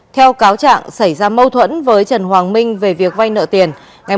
theo cáo trạng xảy ra mâu thuẫn với trần hoàng minh về việc vay nợ tiền